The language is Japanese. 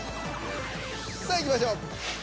さあいきましょう。